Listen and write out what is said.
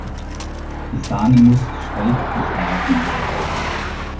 Die Sahne muss steif geschlagen werden.